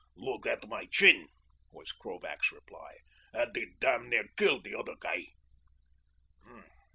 "Look at my chin," was Krovac's reply, "and he damn near killed the other guy."